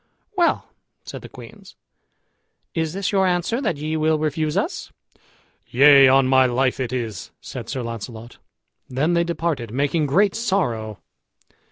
"Well," said the queens, "is this your answer, that ye will refuse us." "Yea, on my life it is," said Sir Launcelot. Then they departed, making great sorrow.